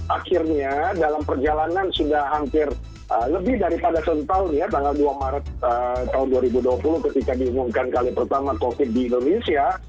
akhirnya dalam perjalanan sudah hampir lebih daripada sentaun ya tanggal dua maret tahun dua ribu dua puluh ketika diumumkan kali pertama covid di indonesia